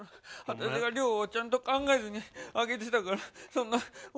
私が量をちゃんと考えずにあげてたからそんな。